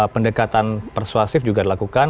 pendekatan persuasif juga dilakukan